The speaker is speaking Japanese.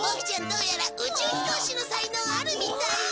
どうやら宇宙飛行士の才能あるみたい。